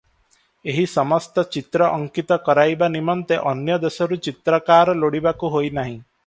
ଏହି ସମସ୍ତ ଚିତ୍ର ଅଙ୍କିତ କରାଇବା ନିମନ୍ତେ ଅନ୍ୟଦେଶରୁ ଚିତ୍ରକାର ଲୋଡ଼ିବାକୁ ହୋଇନାହିଁ ।